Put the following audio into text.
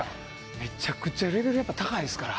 めちゃくちゃレベル高いですから。